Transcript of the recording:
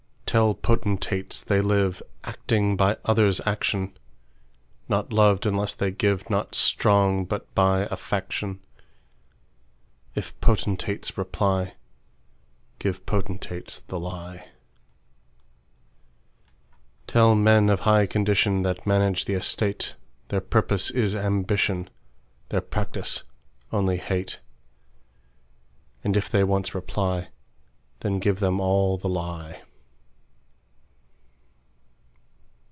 Tell potentates, they liveActing by others' action; Not loved unless they give, Not strong, but by a faction:If potentates reply, Give potentates the lie. Tell men of high condition, That manage the estate, Their purpose is ambition, Their practice only hate:And if they once reply, Then give them all the lie.